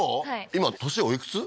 今年おいくつ？